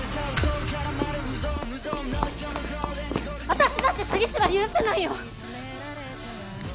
私だって詐欺師は許せないよ！